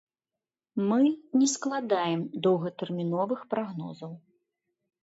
Мы не складаем доўгатэрміновых прагнозаў.